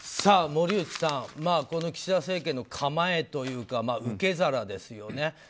森内さん岸田政権の構えというか受け皿ですよね。